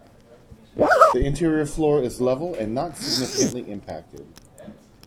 The interior floor is level and not significantly impacted.